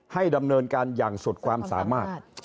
ให้ดำเนินการอย่างสุดความสามารถ